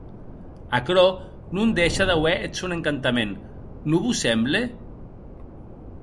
Aquerò non dèishe d’auer eth sòn encantament, non vos semble?